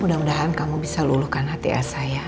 mudah mudahan kamu bisa luluhkan hati asa ya